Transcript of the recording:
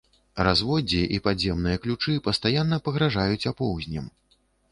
Разводдзе і падземныя ключы пастаянна пагражаюць апоўзнем.